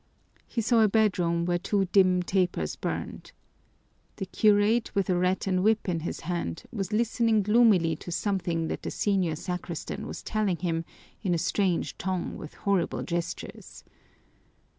He saw a bedroom where two dim tapers burned. The curate, with a rattan whip in his hand, was listening gloomily to something that the senior sacristan was telling him in a strange tongue with horrible gestures.